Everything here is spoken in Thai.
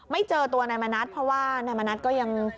เจอตัวนายมณัฐเพราะว่านายมณัฐก็ยัง